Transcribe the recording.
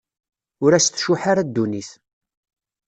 Ur as-tcuḥḥ ara ddunit.